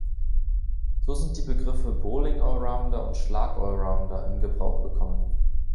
So sind die Begriffe „Bowling-Allrounder“ und „Schlag-Allrounder“ in Gebrauch gekommen.